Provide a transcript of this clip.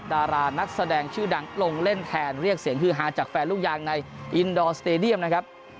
ดารานักแสดงชื่อดังลงเล่นแทนเรียกเสียงฮือฮาจากแฟนลูกยางในอินดอร์สเตดียมนะครับ